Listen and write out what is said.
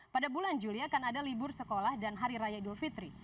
pada bulan juli akan ada libur sekolah dan hari raya idul fitri